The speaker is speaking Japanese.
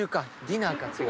ディナーか次」